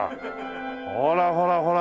ほらほらほら！